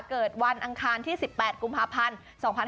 เกิดวันอังคารที่๑๘กุภาพันธุ์อยู่ข้างคาถ